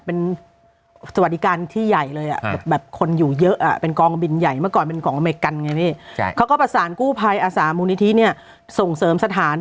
เป็นสวัสดิการที่ใหญ่เลยอ่ะ